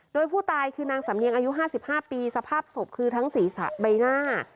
โดยผู้ตายคือนางสำเนียงอายุ๕๕ปีสภาพศพคือทั้งศีรษะใบหน้า